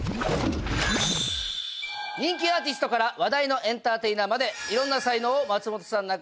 人気アーティストから話題のエンターテイナーまでいろんな才能を松本さん中居さんに紹介するこのコーナー。